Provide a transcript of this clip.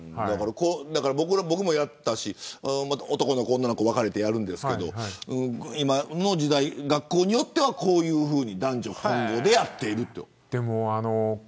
僕もやったし男の子、女の子分かれてやりますが今の時代学校によってはこういうふうに男女混合でやっている。